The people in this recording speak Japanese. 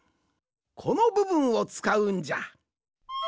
このぶぶんをつかうんじゃ。